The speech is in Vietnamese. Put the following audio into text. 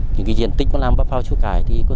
những diện tích làm bắp phao su hào cải